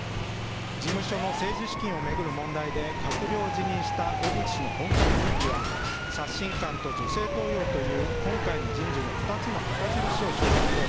事務所の政治資金を巡る問題で閣僚を辞任した小渕氏の本格復帰は刷新感と女性登用という今回の人事の２つの旗印を背負う一方